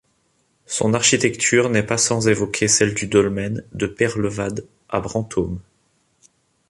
Son architecture n'est pas sans évoquer celle du dolmen de Peyrelevade à Brantôme.